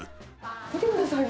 見てくださいよ。